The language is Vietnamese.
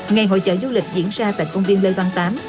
ngày hội chợ du lịch diễn ra tại công viên lê văn tám